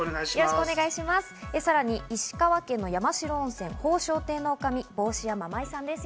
さらに石川県の山代温泉・宝生亭の女将・帽子山麻衣さんです。